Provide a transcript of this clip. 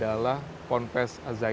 rekaman penguatan sesudah ke enam belas